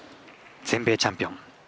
全米チャンピオン。